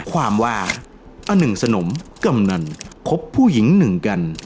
ความว่าอหนึ่งสนมกำนันคบผู้หญิงหนึ่งกัน